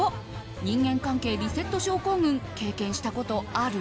人間関係リセット症候群経験したことある？